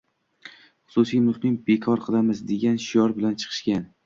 «xususiy mulkni bekor qilamiz» degan shior bilan chiqishgan.